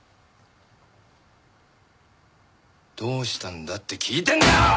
どうしたんだって聞いてんだよ！